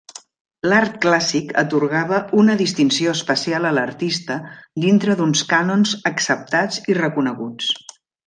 L'art clàssic atorgava una distinció especial a l'artista dintre d'uns cànons acceptats i reconeguts.